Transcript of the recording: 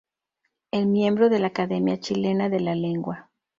Es Miembro de la Academia Chilena de la Lengua.